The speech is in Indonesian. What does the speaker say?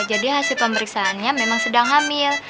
hasil pemeriksaannya memang sedang hamil